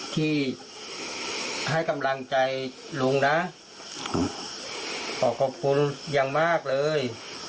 ที่ให้กำลังใจลุงนะขอขอบคุณอย่างมากเลย